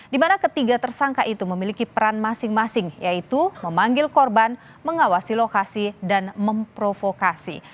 di mana ketiga tersangka itu memiliki peran masing masing yaitu memanggil korban mengawasi lokasi dan memprovokasi